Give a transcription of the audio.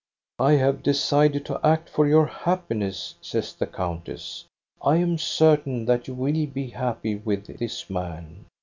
'"* I have decided to act for your happiness, ' says the countess. * I am certain that you will.be happy with this man.